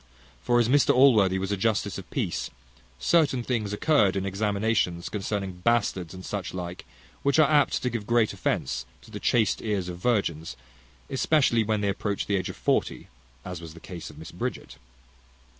For as Mr Allworthy was a justice of peace, certain things occurred in examinations concerning bastards, and such like, which are apt to give great offence to the chaste ears of virgins, especially when they approach the age of forty, as was the case of Mrs Bridget.